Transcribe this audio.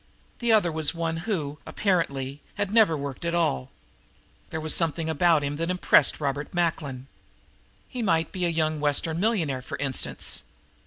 The other was one who, apparently, had never worked at all. There was something about him that impressed Robert Macklin. He might be a young Western millionaire, for instance.